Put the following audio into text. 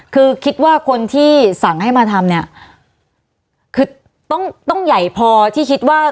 คือคิดว่าคนที่สั่งให้มาทำเนี่ยคือต้องต้องใหญ่พอที่คิดว่า